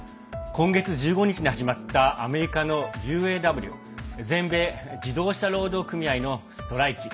今月１５日に始まったアメリカのＵＡＷ＝全米自動車労働組合のストライキ。